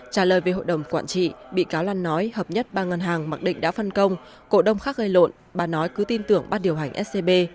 trả lời về hội đồng quản trị bị cáo lan nói hợp nhất ba ngân hàng mặc định đã phân công cổ đông khác gây lộn bà nói cứ tin tưởng bắt điều hành scb